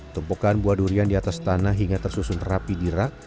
tumpukan buah durian di atas tanah hingga tersusun rapi di rak